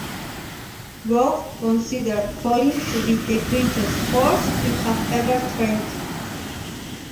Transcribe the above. Rowe considered Colin to be the greatest horse he had ever trained.